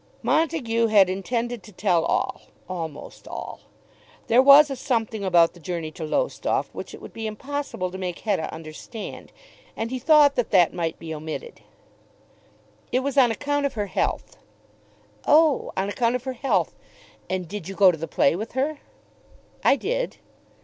Montague had intended to tell all, almost all. There was a something about the journey to Lowestoft which it would be impossible to make Hetta understand, and he thought that that might be omitted. "It was on account of her health." "Oh; on account of her health. And did you go to the play with her?" "I did."